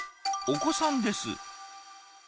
お子さんです。